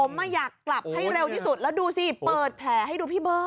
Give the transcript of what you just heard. ผมอยากกลับให้เร็วที่สุดแล้วดูสิเปิดแผลให้ดูพี่เบิร์